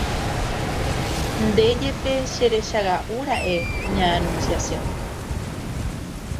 Nde jepe cherechaga'ura'e ña Anunciación